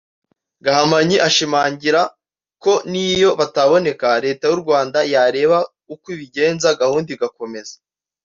Gahamanyi ashimangira ko n’iyo bataboneka “Leta y’u Rwanda yareba uko ibigenza gahunda igakomeza